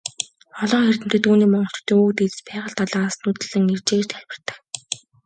Олонх эрдэмтэд үүнийг монголчуудын өвөг дээдэс Байгал далайгаас нүүдэллэн иржээ гэж тайлбарладаг.